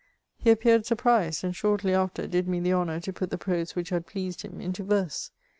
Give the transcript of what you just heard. He appeared surprised, and shortly after did me the honour to put the prose wliich had pleased nim into verse.